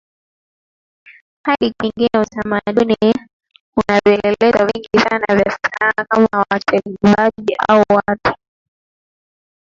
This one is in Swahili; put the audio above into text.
hadi kingine Utamaduni una vielelezo vingi sana vya Sanaa kama wachenguaji au watu